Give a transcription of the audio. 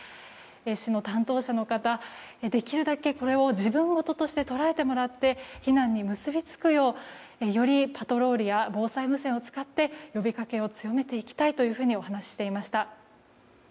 市の担当者の方できるだけこれを自分事として捉えてもらって避難に結び付くようよりパトロールや防災無線で呼びかけを強めていきたいとお話していました。